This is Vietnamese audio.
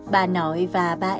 bà nội và bà nội